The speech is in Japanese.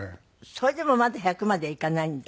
それでもまだ１００まではいかないんだ。